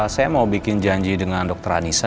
saya mau bikin janji dengan dokter anissa